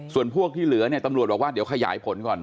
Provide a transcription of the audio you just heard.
ส่วนพวกที่เหลือเนี่ยตำรวจบอกว่าเดี๋ยวขยายผลก่อน